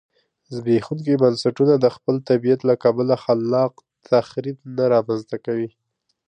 زبېښونکي بنسټونه د خپل طبیعت له کبله خلاق تخریب نه رامنځته کوي